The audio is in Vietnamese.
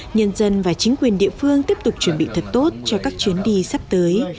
nhân dân và chính quyền địa phương tiếp tục chuẩn bị thật tốt cho các chuyến đi sắp tới